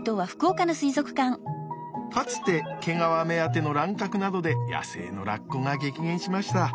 かつて毛皮目当ての乱獲などで野生のラッコが激減しました。